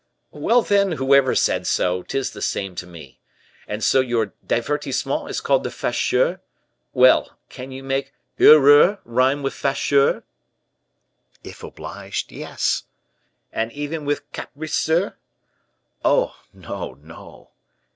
"Well, then, whoever said so, 'tis the same to me! And so your divertissement is called the 'Facheux?' Well, can you make heureux rhyme with facheux?" "If obliged, yes." "And even with capriceux." "Oh, no, no."